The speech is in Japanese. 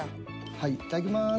はいいただきます。